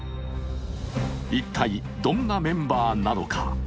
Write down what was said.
一体どんなメンバーなのか。